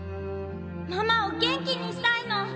ママを元気にしたいの！